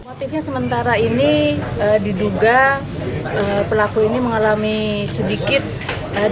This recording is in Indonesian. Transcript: motifnya sementara ini diduga pelaku ini mengalami sedikit